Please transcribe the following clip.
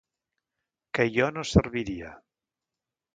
Que jo no serviria.